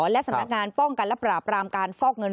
และสำนักงานป้องกันและปราบรามการฟอกเงิน